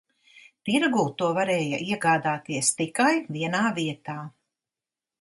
Tirgū to varēja iegādāties tikai vienā vietā.